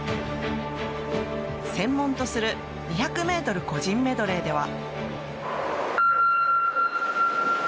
専門とする２００ｍ個人メドレーでは。